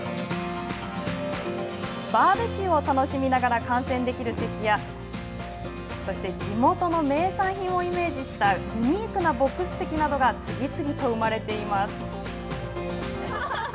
バーベキューを楽しみながら観戦できる席や地元の名産品をイメージしたユニークなボックス席などが次々と生まれています。